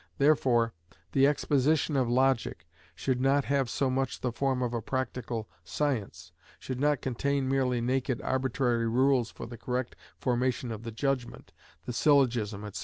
Therefore the exposition of logic should not have so much the form of a practical science, should not contain merely naked arbitrary rules for the correct formation of the judgment, the syllogism, &c.